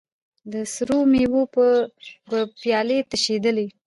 د سرو میو به پیالې وې تشېدلې